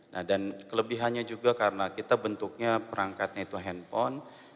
nah dan kelebihannya juga karena kita bentuknya perangkatnya itu handphone